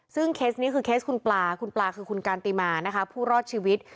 ซึ่งเคสนี้คือเคสคุณปลาคุณปลาคือคุณการติมานะคะผู้รอดชีวิต